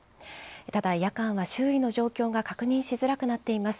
ただ、夜間は周囲の状況が確認しづらくなっています。